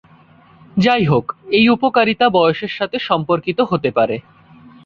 যাইহোক, এই উপকারিতা বয়সের সাথে সম্পর্কিত হতে পারে।